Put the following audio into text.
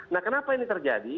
nah kenapa ini terjadi